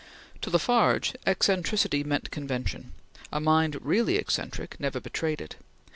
To La Farge, eccentricity meant convention; a mind really eccentric never betrayed it.